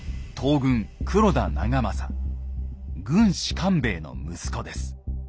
軍師官兵衛の息子です。